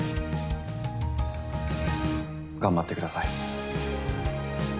頑張ってください。